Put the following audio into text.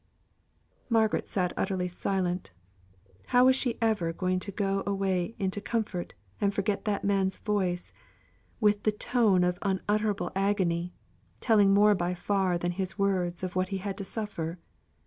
Margaret sat utterly silent. How was she ever to go away into comfort and forget that man's voice, with the tone of unutterable agony, telling more by far than his words of what he had to suffer?